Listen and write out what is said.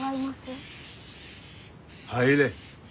入れ。